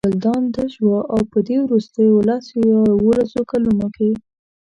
ګلدان تش و او په دې وروستیو لس یا یوولسو کلونو کې.